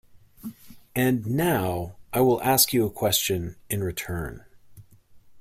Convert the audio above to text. And now I will ask you a question in return.